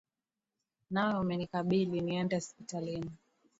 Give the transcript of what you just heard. Nawe umenikabili, niende sipitalini.